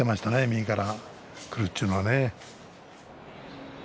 右から来るというのは。